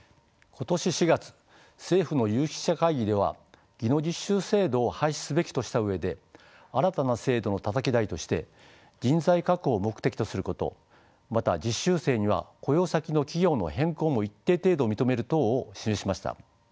今年４月政府の有識者会議では技能実習制度を廃止すべきとした上で新たな制度のたたき台として人材確保を目的とすることまた実習生には雇用先の企業の変更も一定程度認める等を示しました。